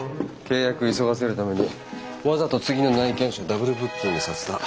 契約急がせるためにわざと次の内見者ダブルブッキングさせた。